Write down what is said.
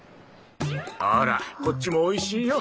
ほらこっちもおいしいよ。